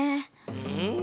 うん。